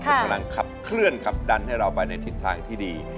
มันกำลังขับเคลื่อนขับดันให้เราไปในทิศทางที่ดี